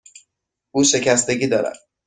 او شکستگی دارد.